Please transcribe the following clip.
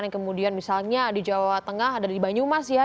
yang kemudian misalnya di jawa tengah ada di banyumas ya